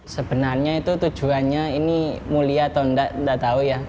sebenarnya itu tujuannya ini mulia atau enggak enggak tahu ya